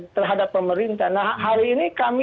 terhadap pemerintah nah hari ini kami